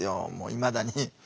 いまだに。